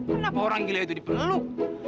kenapa orang gila itu dipeluk